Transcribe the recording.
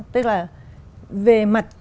tức là về mặt